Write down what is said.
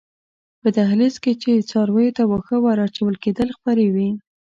په دهلېز کې چې څارویو ته واښه ور اچول کېدل خپرې وې.